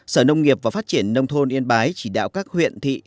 sở nông nghiệp và phát triển nông thôn yên bái chỉ đạo các huyện thị